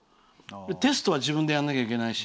テストは自分でやらなきゃいけないし。